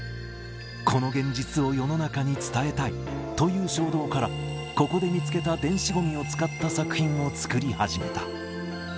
この現実を世の中に伝えたいという衝動から、ここで見つけた電子ごみを使った作品を作り始めた。